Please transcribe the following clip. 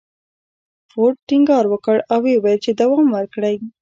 فورډ ټينګار وکړ او ويې ويل چې دوام ورکړئ.